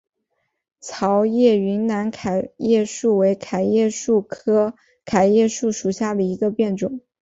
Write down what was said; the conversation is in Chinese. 毛叶云南桤叶树为桤叶树科桤叶树属下的一个变种。